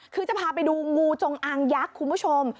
คือจะพาไปดูงูจงอางยักษ์คุณผู้ชม